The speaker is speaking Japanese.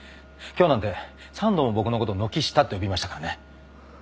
今日なんて３度も僕のことを「軒下」って呼びましたからね。